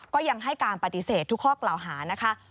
ก็ยังให้การปฏิเสธทุกข้อกล่าวหานะคะ